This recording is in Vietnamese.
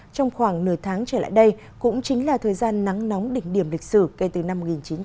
trong khoảng nửa tháng trở lại đây cũng chính là thời gian nắng nóng đỉnh điểm lịch sử kể từ năm một nghìn chín trăm bảy mươi